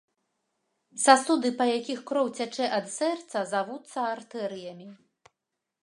Сасуды, па якіх кроў цячэ ад сэрца, завуцца артэрыямі.